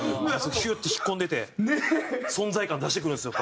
ヒュッて引っ込んでて存在感出してくるんですよ